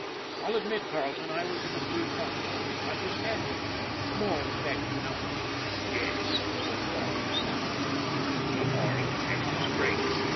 I'll admit, Carleton, I was in a blue funk, but I just had to. Moral effect, you know." " Yes," said Carleton savagely, " the moral effect is great!